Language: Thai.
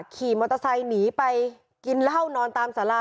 ขี่มอเตอร์ไซค์หนีไปกินเหล้านอนตามสารา